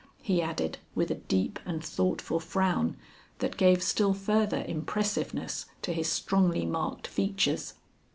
he added with a deep and thoughtful frown that gave still further impressiveness to his strongly marked features.